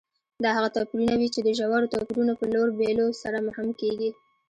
دا هغه توپیرونه وي چې د ژورو توپیرونو په لور بیولو سره مهم کېږي.